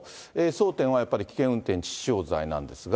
争点はやっぱり危険運転致死傷罪なんですが。